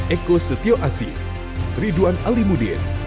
eko setio asi ridwan alimudin